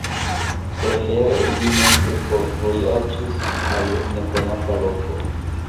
Prefere ili nokte forvojaĝis al nekonata loko.